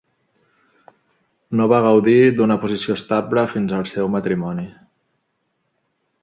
No va gaudir d'una posició estable fins al seu matrimoni.